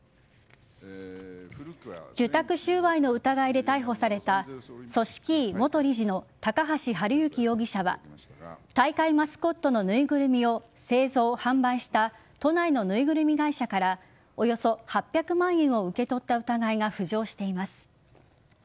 受託収賄の疑いで逮捕された組織委・元理事の高橋治之容疑者は大会マスコットの縫いぐるみを製造・販売した都内の縫いぐるみ会社からおよそ８００万円を受け取った疑いが浮上しています。